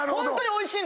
おいしい。